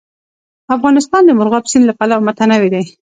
افغانستان د مورغاب سیند له پلوه متنوع دی.